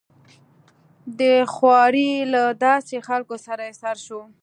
د خوارې له داسې خلکو سره يې سر شو.